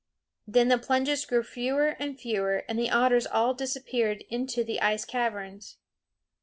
Then the plunges grew fewer and fewer, and the otters all disappeared into the ice caverns.